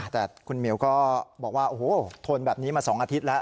แต่คุณเหมียวก็บอกว่าโอ้โหทนแบบนี้มา๒อาทิตย์แล้ว